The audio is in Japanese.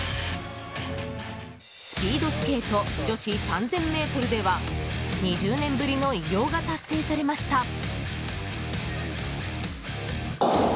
スピードスケート女子３０００ｍでは２０年ぶりの偉業が達成されました。